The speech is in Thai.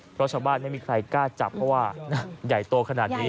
เพราะชาวบ้านไม่มีใครกล้าจับเพราะว่าใหญ่โตขนาดนี้